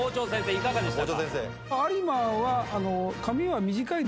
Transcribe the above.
いかがでしたか？